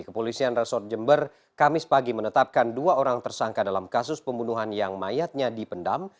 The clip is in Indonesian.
kepolisian resort jember kamis pagi menetapkan dua orang tersangka dalam kasus pembunuhan yang mayatnya dipendam